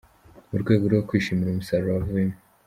Mu rwego rwo kwishimira umusaruro wavuyemo.